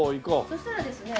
そしたらですね